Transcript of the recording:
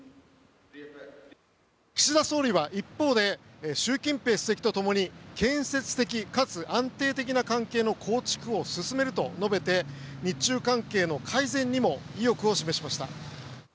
岸田総理は一方で習近平主席とともに建設的かつ安定的な関係の構築を構築を進めると述べて日中関係の改善にも意欲を示しました。